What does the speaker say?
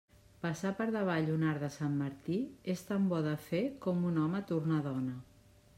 Passar per davall un arc de Sant Martí és tan bo de fer com un home tornar dona.